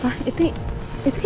kalau begitu saya pamitkan pak